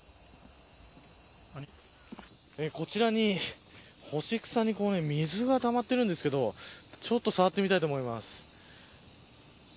こちらに、干し草に水がたまっているんですがちょっと触ってみたいと思います。